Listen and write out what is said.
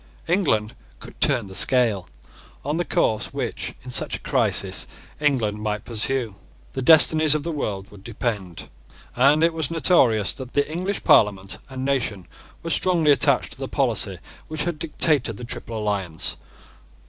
England could turn the scale. On the course which, in such a crisis, England might pursue, the destinies of the world would depend; and it was notorious that the English Parliament and nation were strongly attached to the policy which had dictated the Triple Alliance.